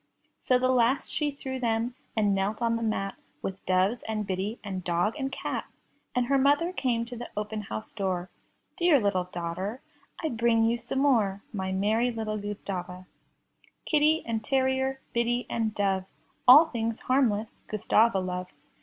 So the last she threw them, and knelt on the mat With doves, and biddy, and dog, and cat. And her mother came to the open house door; "Dear little daughter, I bring you some more, My merry little Gustava!" Kitty and terrier, biddy and doves. All things harmless Gustava loves.